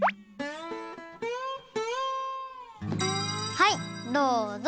はいどうぞ！